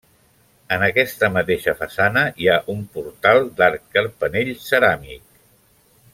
En aquesta mateixa façana hi ha un portal d'arc carpanell ceràmic.